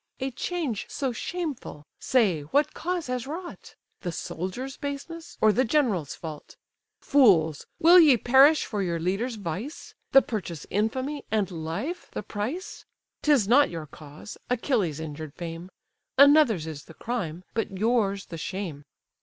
A change so shameful, say, what cause has wrought? The soldiers' baseness, or the general's fault? Fools! will ye perish for your leader's vice; The purchase infamy, and life the price? 'Tis not your cause, Achilles' injured fame: Another's is the crime, but yours the shame.